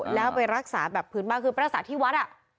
แล้วไปรักษาแบบพื้นบ้านคือไปรักษาที่วัด